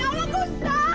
ya allah gustaf